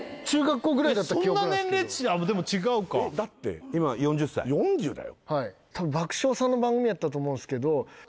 中学校ぐらいだった記憶そんな年齢でも違うかえっだって今４０歳４０だよはいたぶん爆笑さんの番組やったと思うんすけど